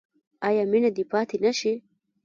آیا مینه دې پاتې نشي؟